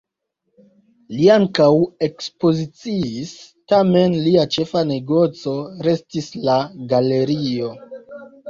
Li ankaŭ ekspoziciis, tamen lia ĉefa negoco restis la galerio.